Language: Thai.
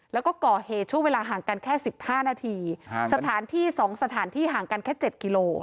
แล้วก็ก่อเหตุช่วงเวลาห่างกันแค่สิบห้านาทีสถานที่๒สถานที่ห่างกันแค่๗กิโล